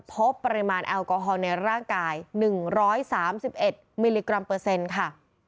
พบปริมาณแอลกอฮอลในร่างกาย๑๓๑มิลลิกรัมเปอร์เซ็นต์ค่ะ